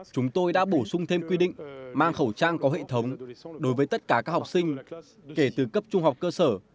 chúng tôi đã bổ sung thêm quy định mang khẩu trang có hệ thống đối với tất cả các học sinh kể từ cấp trung học cơ sở